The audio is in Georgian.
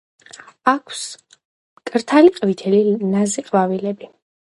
აქვს მკრთალი ყვითელი ნაზი ყვავილები.